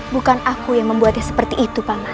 bukan lu yang seharusnya melakukannya paman